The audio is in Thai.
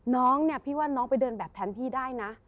น้องเนี่ยพี่ว่าน้องไปเดินแบบแทนพี่ได้นะ